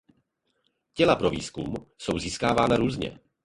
Těla pro výzkum jsou získávána různě.